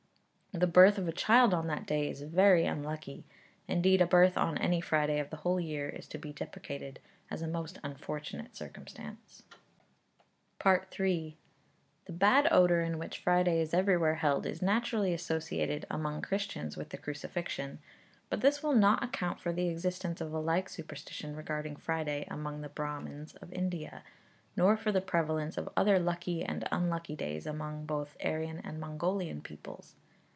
The birth of a child on that day is very unlucky indeed a birth on any Friday of the whole year is to be deprecated as a most unfortunate circumstance. III. The bad odour in which Friday is everywhere held is naturally associated, among Christians, with the crucifixion; but this will not account for the existence of a like superstition regarding Friday among the Brahmins of India, nor for the prevalence of other lucky and unlucky days among both Aryan and Mongolian peoples.